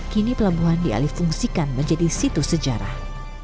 kini pelabuhan dialih fungsikan menjadi situs sejarah